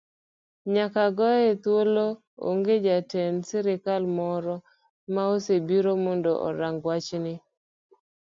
Nyaka go e thuoloni onge jatend sirikal moro ma osebiro mondo orang wachni.